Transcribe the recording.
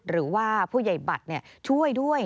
หรือว่าผู้ใหญ่บัตรช่วยด้วย